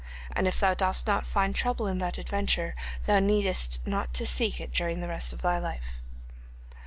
And if thou dost not find trouble in that adventure, thou needest not to seek it during the rest of thy life."